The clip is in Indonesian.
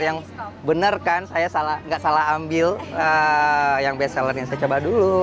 ini apa bener kan saya nggak salah ambil yang bestsellernya saya coba dulu